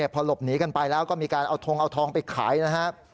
พอหลบหนีกันไปแล้วก็มีการเอาทงเอาทองไปขายนะครับ